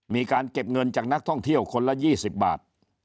มีการเก็บเงินจากนักท่องเที่ยวคนละ๒๐บาท